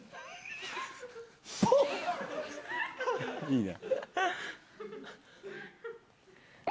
いいね。